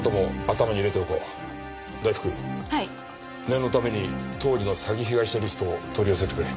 念のために当時の詐欺被害者リストを取り寄せてくれ。